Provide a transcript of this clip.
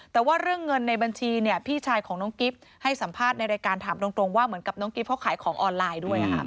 แต่ว่าเรื่องเงินในบัญชีพี่ชายของน้องกิ๊บให้สัมภาษณ์ในรายการถามตรงว่าเหมือนกับน้องกิ๊บเขาขายของออนไลน์ด้วย